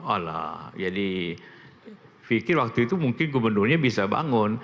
alah jadi pikir waktu itu mungkin gubernurnya bisa bangun